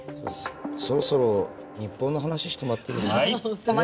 そろそろ日本の話してもらっていいですか。